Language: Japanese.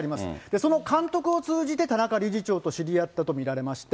その監督を通じて田中理事長と知り合ったと見られまして。